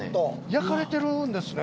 焼かれてるんですね？